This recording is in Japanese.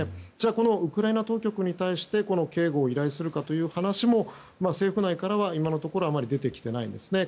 ウクライナ当局に対して警護を依頼するかという話も政府内からは今のところあまり出てきてないですね。